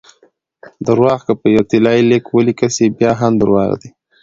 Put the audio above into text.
درواغ که په یو طلايي لیک ولیکل سي؛ بیا هم درواغ دي!